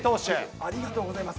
ありがとうございます。